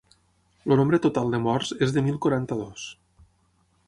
El nombre total de morts és de mil quaranta-dos.